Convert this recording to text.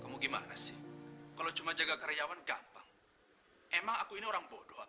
kamu gimana sih kalau cuma jaga karyawan gampang emang aku ini orang bodoh